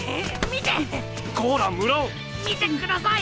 見てください！